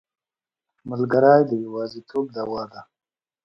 ملګری د یوازیتوب دوا ده.